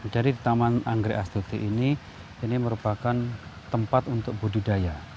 jadi taman anggrek astuti ini merupakan tempat untuk budidaya